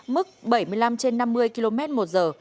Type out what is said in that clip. mức bảy mươi năm trên năm mươi km một giờ